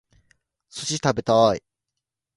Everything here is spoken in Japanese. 寿司食べたい